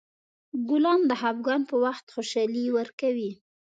ګلان د خفګان په وخت خوشحالي ورکوي.